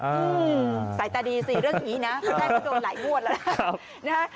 อืมใส่ตาดีสิเรื่องนี้นะไม่ได้ต้องโดนหลายมวดแล้วนะครับ